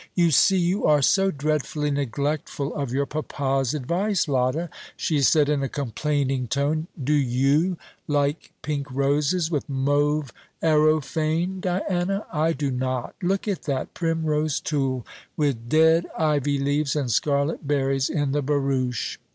"You see, you are so dreadfully neglectful of your papa's advice, Lotta," she said, in a complaining tone. "Do you like pink roses with mauve areophane, Diana? I do not. Look at that primrose tulle, with dead ivy leaves and scarlet berries, in the barouche.